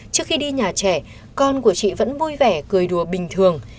trước khi đi nhà trẻ con của chị vẫn vui vẻ cười đùa bình thường